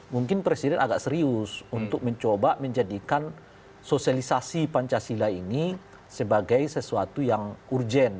mungkin presiden agak serius untuk mencoba menjadikan sosialisasi pancasila ini sebagai sesuatu yang urgent